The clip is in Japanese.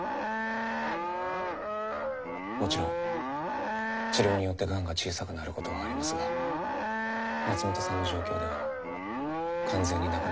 もちろん治療によってがんが小さくなることはありますが松本さんの状況では完全になくなることはありません。